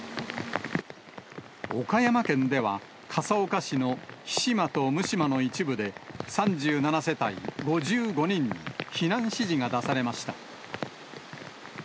岡山県では、笠岡市の飛島と六島の一部で、３７世帯５５人に避難指示が出されました。